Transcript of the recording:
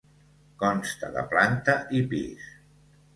Consta de planta i pis.